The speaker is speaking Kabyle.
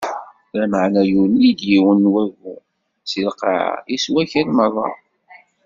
Lameɛna yuli-d yiwen n wagu si lqaɛa, issew akal meṛṛa.